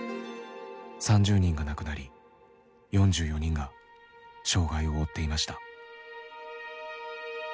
３０人が亡くなり４４人が障害を負っていました。